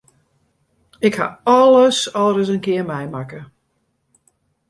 Ik haw alles al ris in kear meimakke.